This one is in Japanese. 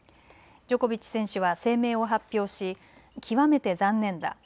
ジョコビッチ選手は声明を発表し極めて残念だ。